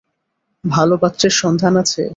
ভালো পাত্রের সন্ধান আছে।